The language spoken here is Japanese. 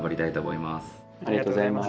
ありがとうございます。